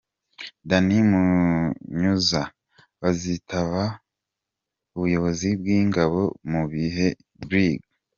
Dan Munyuza bazitaba ubuyobozi bw’ingabo mu gihe Brig.